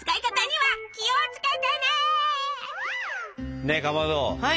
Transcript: はい。